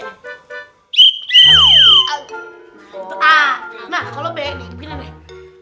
nah kalau b begini deh